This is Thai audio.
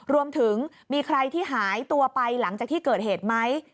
รวมถึงมีใครที่หายตัวไปหลังจากที่เกิดเหตุไหม